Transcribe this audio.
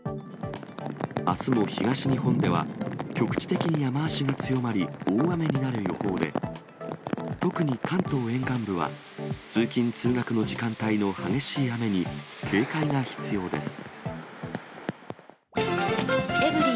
あすも東日本では、局地的に雨足が強まり、大雨になる予報で、特に関東沿岸部は、通勤・通学の時間帯の激しい雨に警戒が必要です。